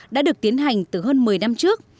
đã được tiến hành từ hơn một mươi năm trước